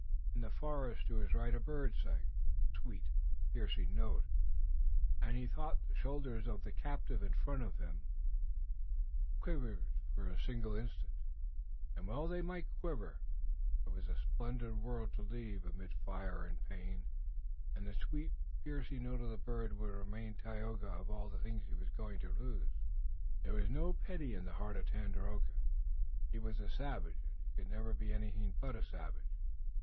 In the forest to his right a bird sang, a sweet, piercing note, and he thought the shoulders of the captive in front of him quivered for a single instant. And well they might quiver! It was a splendid world to leave amid fire and pain, and the sweet, piercing note of the bird would remind Tayoga of all that he was going to lose. There was no pity in the heart of Tandakora. He was a savage and he could never be anything but a savage.